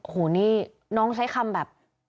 โอ้โหนี่น้องใช้คำแบบ